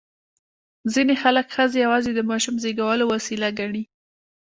ځینې خلک ښځې یوازې د ماشوم زېږولو وسیله ګڼي.